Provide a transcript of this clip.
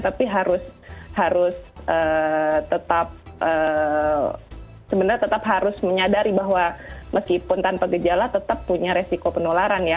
tapi harus tetap sebenarnya tetap harus menyadari bahwa meskipun tanpa gejala tetap punya resiko penularan ya